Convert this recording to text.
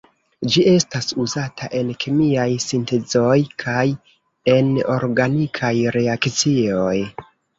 Ĝi estas uzata en kemiaj sintezoj kaj en organikaj reakcioj.